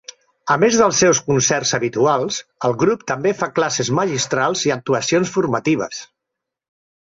A més dels seus concerts habituals, el grup també fa classes magistrals i actuacions formatives.